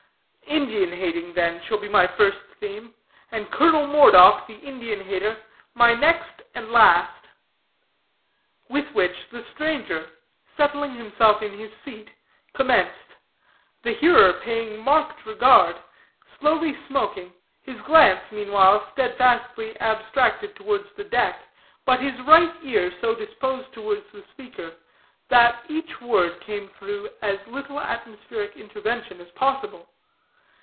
Indian hating, then, shall be my first theme, and Colonel Moredock, the Indian hater, my next and last." With which the stranger, settling himself in his seat, commenced the hearer paying marked regard, slowly smoking, his glance, meanwhile, steadfastly abstracted towards the deck, but his right ear so disposed towards the speaker that each word came through as little atmospheric intervention as possible.